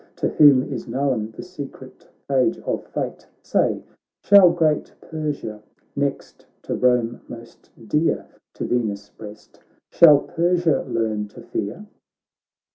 To whom is known the secret page of fate. Say, shall great Persia, next to Rome most dear To Venus' breast, shall Persia learn to fear?